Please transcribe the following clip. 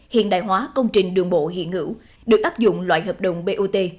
hiện đại hóa công trình đường bộ hiện hữu được áp dụng loại hợp đồng bot